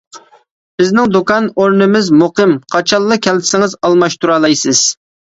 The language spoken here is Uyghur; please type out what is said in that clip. بىزنىڭ دۇكان ئورنىمىز مۇقىم، قاچانلا كەلسىڭىز ئالماشتۇرالايسىز.